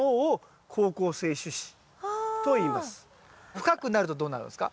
深くなるとどうなるんすか？